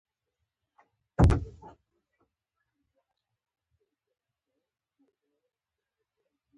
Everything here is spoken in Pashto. ګڼ هوسا ملتونه ځپونکو دیکتاتوریو ته تسلیم شول.